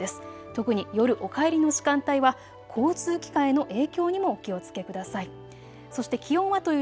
特に夜、お帰りの時間帯は交通機関への影響にもお気をつけください。